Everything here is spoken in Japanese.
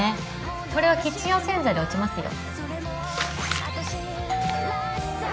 これはキッチン用洗剤で落ちますよ